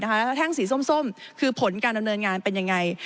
ถ้าแท่งสีส้มคือผลการดำเนินงานเป็นยังไง